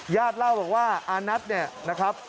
เล่าบอกว่าอานัทเนี่ยนะครับ